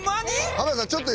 浜田さん